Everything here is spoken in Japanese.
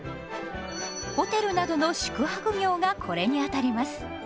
ホテルなどの宿泊業がこれにあたります。